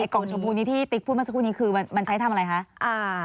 กองชมพูนี้ที่ติ๊กพูดมันใช้ทำอะไรคะ